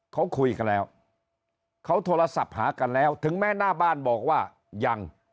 เขาคุยกันแล้วเขาโทรศัพท์หากันแล้วถึงแม้หน้าบ้านบอกว่ายัง